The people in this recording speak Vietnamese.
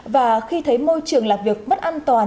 và khi thấy môi trường làm việc mất an toàn